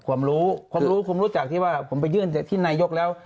ความรู้ความรู้ความรู้จักที่ว่าผมไปยื่นที่นายกแล้ว